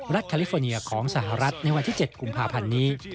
แคลิฟอร์เนียของสหรัฐในวันที่๗กุมภาพันธ์นี้